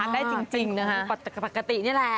ได้จริงนะฮะปกตินี่แหละ